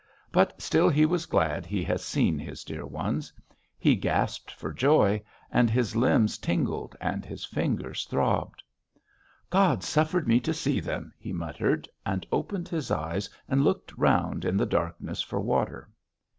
But still he was glad he had seen his dear ones. He gasped for joy, and his limbs tingled and his fingers throbbed. "God suffered me to see them!" he muttered, and opened his eyes and looked round in the darkness for water.